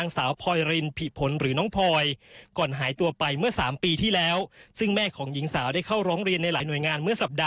สวัสดีครับ